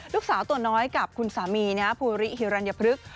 ลูกสาวตัวน้อยกับคุณสามีภูริฮิรัญพฤกษ์